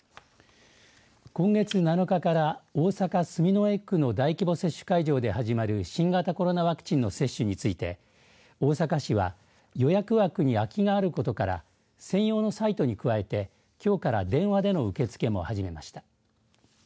今月７日から大阪、住之江区の大規模接種会場で始まる新型コロナワクチンの接種について大阪市は予約枠に空きがあることから専用のサイトに加えてきょうから電話での受け付けも始めました。